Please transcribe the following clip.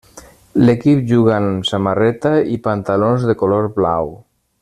L'equip juga amb samarreta i pantalons de color blau.